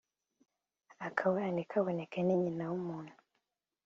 akabura ntikabone ni nyina w’umuntu